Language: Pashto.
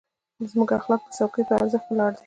زموږ اخلاق د څوکۍ په ارزښت ولاړ دي.